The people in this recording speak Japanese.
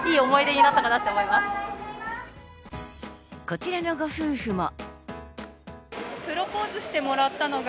こちらのご夫婦も。